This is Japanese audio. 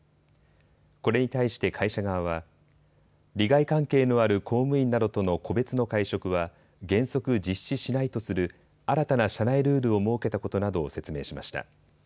これに対して会社側は利害関係のある公務員などとの個別の会食は原則、実施しないとする新たな社内ルールを設けたことなどを説明しました。